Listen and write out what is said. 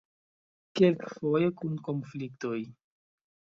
Kelkfoje kun konfliktoj.